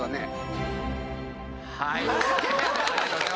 はい。